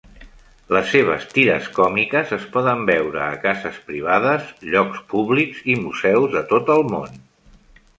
Les seves tires còmiques es poden veure a cases privades, llocs públics i museus de tot el món.